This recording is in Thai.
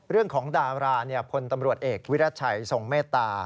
เรื่องของดาราพลตำรวจเอกวิรัชัยทรงเมตตา